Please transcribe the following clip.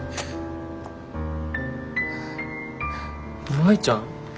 舞ちゃん。